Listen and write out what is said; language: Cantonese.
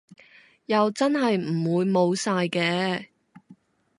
又真係唔會冇晒嘅